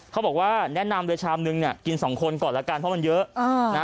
เขาบอกว่าแนะนำชามนึงกิน๒คนก่อนแล้วกันเพราะมันเยอะ